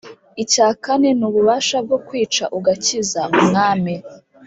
icya kane ni ububasha bwo kwica ugakiza: umwami